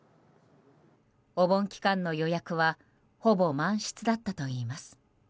お盆期間の予約はほぼ満室だったといいます。